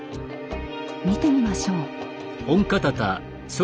見てみましょう。